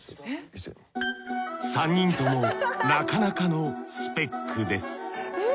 ３人ともなかなかのスペックですえぇ？